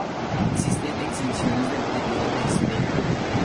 Existen exenciones del período de espera.